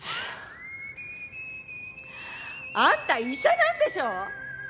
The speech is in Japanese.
あんた医者なんでしょ！？